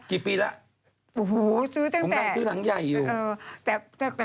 กี่ปีแล้วโอ้โฮซื้อตั้งแต่ผมนางซื้อหลังใหญ่อยู่